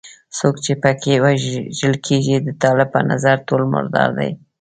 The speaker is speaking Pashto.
څوک چې په کې وژل کېږي د طالب په نظر ټول مردار دي.